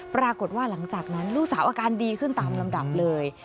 ปรากฏว่าหลังจากนั้นลูกสาวอาการดีขึ้นตามลำดับเลย